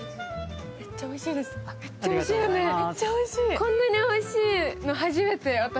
こんなにおいしいの初めて。